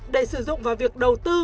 để sử dụng vào việc đầu tư